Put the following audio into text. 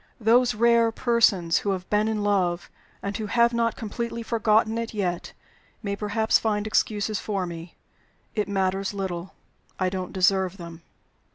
Those rare persons who have been in love, and who have not completely forgotten it yet, may perhaps find excuses for me. It matters little; I don't deserve them.